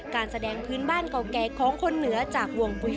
การแสดงพื้นบ้านเก่าแก่ของคนเหนือจากวงปุ๋ย